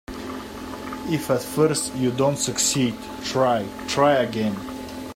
If at first you don't succeed, try, try again.